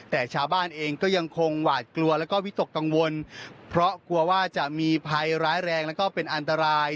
แต่ชาวบ้านเองก็ยังคงหวาดกลัวแล้วก็วิตกกังวลเพราะกลัวว่าจะมีภัยร้ายแรงแล้วก็เป็นอันตราย